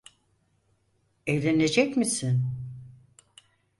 Evlenecek misin?